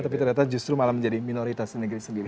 tapi ternyata justru malah menjadi minoritas negeri sendiri